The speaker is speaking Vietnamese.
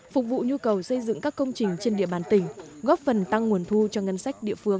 phục vụ nhu cầu xây dựng các công trình trên địa bàn tỉnh góp phần tăng nguồn thu cho ngân sách địa phương